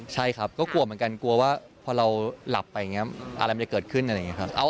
ใช่ครับก็กลัวเหมือนกันกลัวว่าพอเราหลับไปอย่างนี้อะไรมันจะเกิดขึ้นอะไรอย่างนี้ครับ